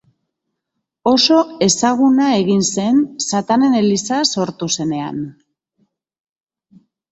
Oso ezaguna egin zen Satanen Eliza sortu zuenean.